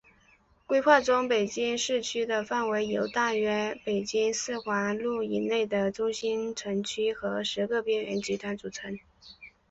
规划中北京市城区的范围由大约北京四环路以内的中心城区和十个边缘集团组成。